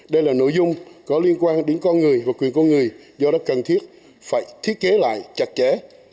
đây là nội dung có liên quan đến con người và quyền con người do rất cần thiết phải thiết kế lại chặt chẽ